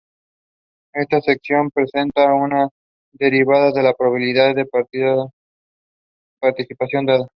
Esta sección presenta una derivación de la probabilidad de una partición dada.